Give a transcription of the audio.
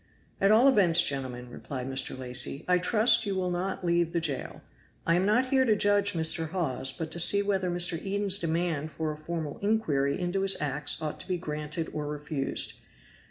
"At all events, gentlemen," replied Mr. Lacy, "I trust you will not leave the jail. I am not here to judge Mr. Hawes, but to see whether Mr. Eden's demand for a formal inquiry into his acts ought to be granted or refused.